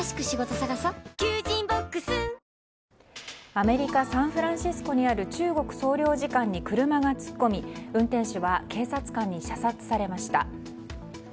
アメリカサンフランシスコにある中国総領事館に車が突っ込み運転手は警察官に射殺されました。